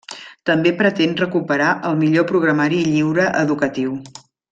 També pretén recuperar el millor programari lliure educatiu.